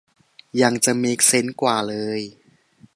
ยังจะเม็กเซนส์กว่าเลย